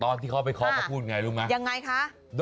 ตอนที่เคาะไปเคาะเค้าพูดอย่างไรลูกมั้ยอย่างไรคะ